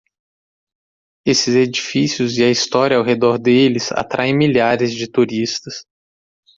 Esses edifícios e a história ao redor deles atraem milhares de turistas.